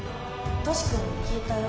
「トシ君に聞いたよ」。